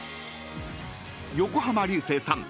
［横浜流星さん